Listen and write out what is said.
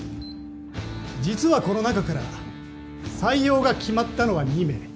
実はこの中から採用が決まったのは２名。